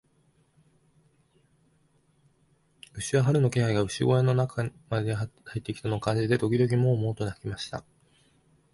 牛は、春の気配が牛小屋の中にまで入ってきたのを感じて、時々モウ、モウと鳴きました。